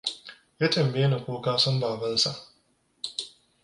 Ya tambayeni ko na san babansa.